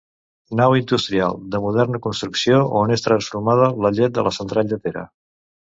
Nau industrial de moderna construcció on és transformada la llet de la central lletera.